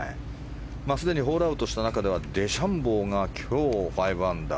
すでにホールアウトした中ではデシャンボーが今日、５アンダー。